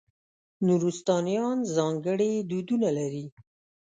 نورستانیان ځانګړي دودونه لري.